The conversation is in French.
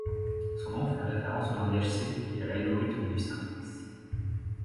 Son nom fait référence au langage C et à l'algorithme du simplexe.